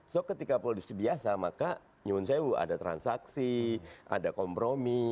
so ketika politisi biasa maka nyumun saya ada transaksi ada kompromi